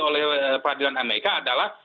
oleh peradilan amerika adalah